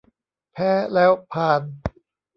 แพ้แล้วพาล